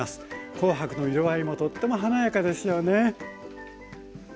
紅白の色合いもとっても華やかですよね。